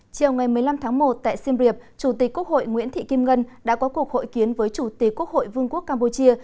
chiều ngày một mươi năm tháng một tại siem reap chủ tịch quốc hội nguyễn thị kim ngân đã có cuộc hội kiến với chủ tịch quốc hội vương quốc campuchia